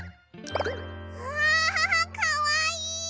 うわかわいい。